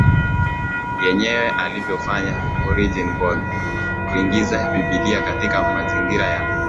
yenyewe alivyofanya Origene bali kuingiza Biblia katika mazingira ya